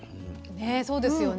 そうですよね。